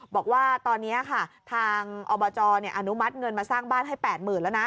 บอกว่าตอนนี้ค่ะทางอบจอนุมัติเงินมาสร้างบ้านให้๘๐๐๐แล้วนะ